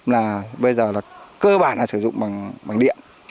là bây giờ là cơ bản là sử dụng bằng điện